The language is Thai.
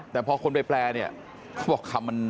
แต่พอคนไปแปลเขาบอกคำมัน